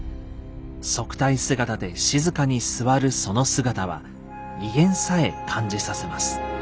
束帯姿で静かに座るその姿は威厳さえ感じさせます。